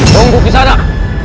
tunggu kisah nak